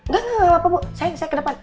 gak gak apa apa bu saya ke depan